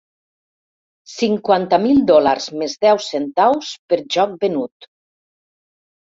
Cinquanta mil dòlars més deu centaus per joc venut.